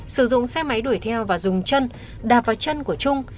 sử dụng xe máy đuổi theo và dùng chân đạp vào chân của trung